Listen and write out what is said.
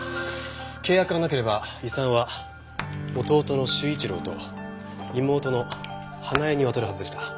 契約がなければ遺産は弟の修一郎と妹の英恵に渡るはずでした。